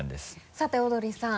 さてオードリーさん。